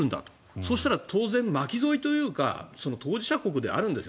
そしたら当然、巻き添えというか当事者国であるんですよ